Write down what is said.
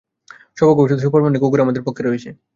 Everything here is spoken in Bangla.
সৌভাগ্যবশত, সুপারম্যানের কুকুর আমাদের পক্ষে রয়েছে।